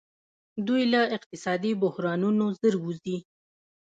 دوی له اقتصادي بحرانونو ژر وځي.